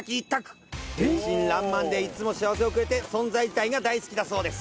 天真爛漫でいつも幸せをくれて存在自体が大好きだそうです。